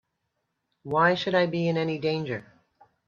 Why should I be in any danger?